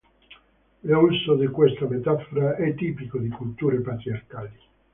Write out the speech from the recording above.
L'uso di questa metafora è tipico di culture patriarcali.